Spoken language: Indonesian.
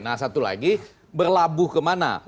nah satu lagi berlabuh kemana